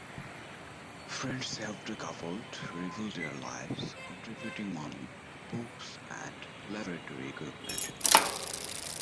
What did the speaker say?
Friends helped the couple rebuild their lives, contributing money, books, and laboratory equipment.